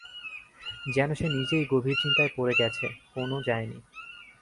যেন সে নিজেই গভীর চিন্তায় পড়ে গেছে, কোন যায় নি।